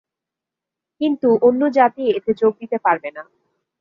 কিন্তু অন্য জাতি এতে যোগ দিতে পারবে না।